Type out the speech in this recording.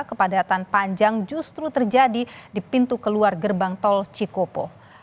kepadatan panjang justru terjadi di pintu keluar gerbang tol cikopo